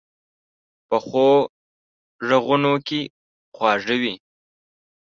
پخو غږونو کې خواږه وي